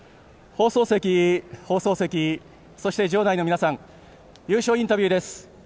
放送席、そして場内の皆さん優勝インタビューです。